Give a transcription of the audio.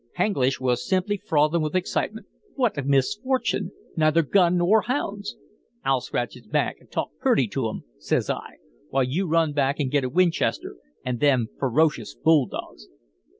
H'Anglish was simply frothin' with excitement. "'What a misfortune! Neyther gun nor hounds.' "'I'll scratch his back and talk pretty to him,' says I, 'while you run back and get a Winchester and them ferocious bull dogs.'